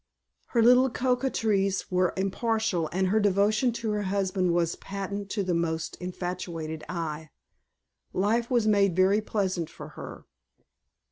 Her little coquetries were impartial and her devotion to her husband was patent to the most infatuated eye. Life was made very pleasant for her.